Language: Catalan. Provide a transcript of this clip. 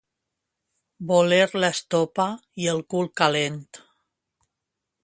Voler l'estopa i el cul calent.